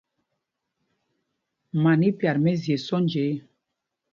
Man í pyat mɛ́zye sɔ́nja ê.